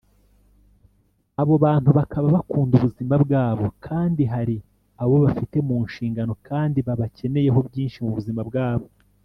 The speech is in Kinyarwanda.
Abo bantu bakaba bakunda ubuzima bwabo kandi hari abo bafite mu nshingano kandi babakeneyeho byinshi mu buzima bwabo